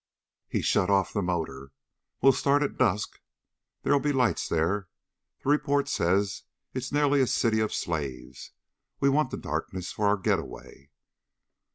He shut off the motor. "We'll start at dusk. There'll be lights there. This report says it's nearly a city of slaves. We want the darkness for our getaway."